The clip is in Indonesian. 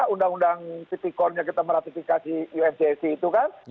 undang undang city court nya kita meratifikasi uncac itu kan